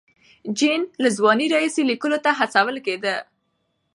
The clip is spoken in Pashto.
جین له ځوانۍ راهیسې لیکلو ته هڅول کېده.